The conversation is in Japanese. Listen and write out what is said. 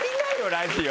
ラジオ。